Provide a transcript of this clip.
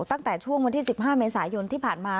ตั้งแต่ช่วงวันที่๑๕เมษายนที่ผ่านมา